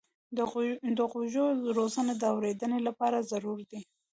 د غوږو روزنه د اورېدنې لپاره ضروري ده.